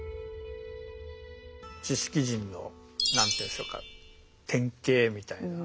知識人の何ていうんでしょうか典型みたいな。